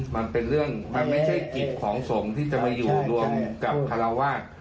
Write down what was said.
มันเป็นเรื่องมันไม่ใช่กิจของสงฆ์ที่จะมาอยู่รวมกับคาราวาส